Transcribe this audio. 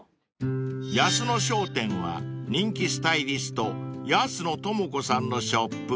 ［安野商店は人気スタイリスト安野ともこさんのショップ］